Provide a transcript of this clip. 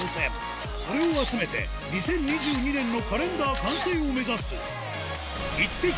それを集めて２０２２年のカレンダー完成を目指すイッテＱ！